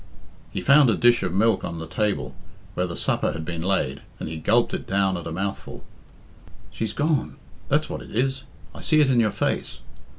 He found a dish of milk on the table, where the supper had been laid, and he gulped it down at a mouthful. "She's gone that's what it is. I see it in your face."